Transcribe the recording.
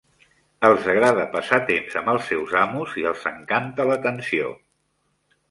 Els agrada passar temps amb els seus amos i els encanta l'atenció.